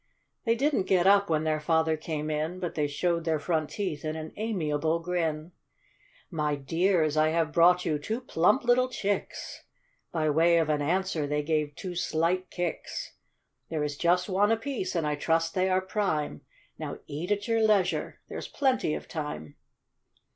They didn't get up when their father came in, But they showed their front teeth in an amiable grin. " My dears, I have brought you two plump little chicks;" By way of an answer they gave two slight kicks. " There is just one apiece, and I trust they are prime. How eat at your leisure; there's plenty of time."